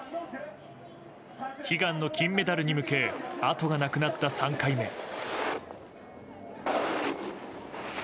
悲願の金メダルに向けあとがなくなった３回目。